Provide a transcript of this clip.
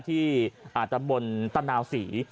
ที่อาจจะบนตะนาวศรี